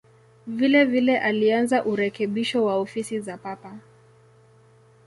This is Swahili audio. Vilevile alianza urekebisho wa ofisi za Papa.